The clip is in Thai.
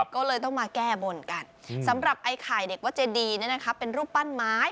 ก็เลยต้องมาแก้บนกันสำหรับไอ้ไข่เด็กวัดเจดีเป็นรูปปั้นไม้